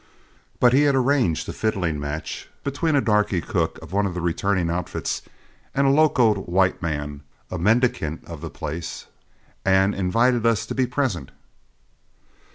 But he had arranged a fiddling match between a darky cook of one of the returning outfits and a locoed white man, a mendicant of the place, and invited us to be present.